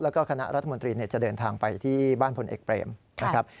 แล้วก็คณะรัฐมนตรีจะเดินทางไปที่บ้านพลเอกเปรมนะครับ